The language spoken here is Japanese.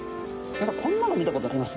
こんなの見たことあります？